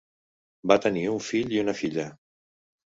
Van tenir un fill i una filla.